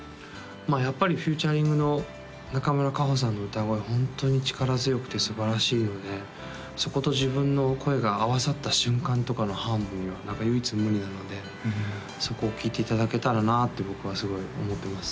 まあやっぱりｆｅａｔ．の中村佳穂さんの歌声ホントに力強くてすばらしいのでそこと自分の声が合わさった瞬間とかのハーモニーは何か唯一無二なのでそこを聴いていただけたらなと僕はすごい思ってます